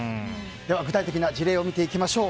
具体的な事例を見ていきましょう。